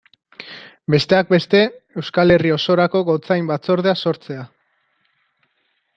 Besteak beste Euskal Herri osorako gotzain batzordea sortzea.